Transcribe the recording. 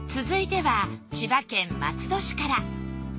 続いては千葉県松戸市から。